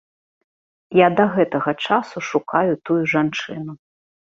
Я да гэтага часу шукаю тую жанчыну.